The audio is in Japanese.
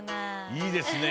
いいですね。